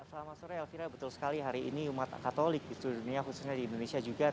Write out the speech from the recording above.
selamat sore elvira betul sekali hari ini umat katolik di seluruh dunia khususnya di indonesia juga